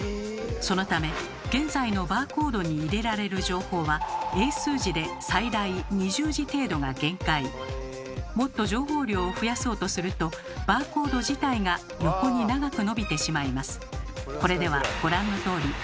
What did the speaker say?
そのため現在のバーコードに入れられる情報は英数字でもっと情報量を増やそうとするとバーコード自体が横に長くのびてしまいます。